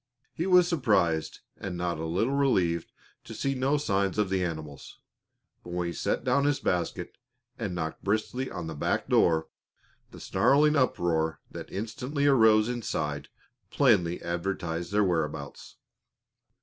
He was surprised and not a little relieved to see no signs of the animals, but when he set down his basket and knocked briskly on the back door, the snarling uproar that instantly arose inside plainly advertised their whereabouts.